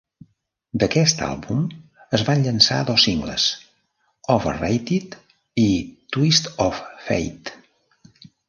D'aquest àlbum es van llançar dos singles: "Overrated" i "Twist of Fate".